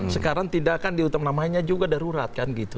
sekarang tindakan diutamanya juga darurat kan gitu